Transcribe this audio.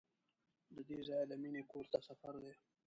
له دې ځایه د مینې کور ته سفر دی.